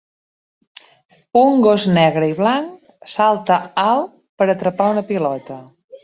Un gos negre i blanc salta alt per atrapar una pilota.